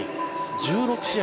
１６試合